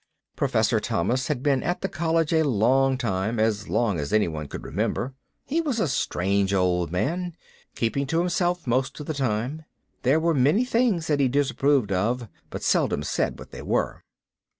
Professor Thomas had been at the College a long time, as long as anyone could remember. He was a strange old man, keeping to himself most of the time. There were many things that he disapproved of, but he seldom said what they were.